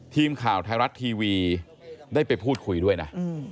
ทีมข่าวไทยรัฐทีวีได้ไปพูดคุยด้วยนะ